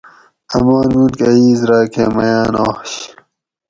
آمان ملک ا اِیس راکہ مئین آش